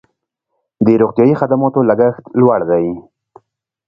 د روغتیايي خدماتو لګښت لوړ دی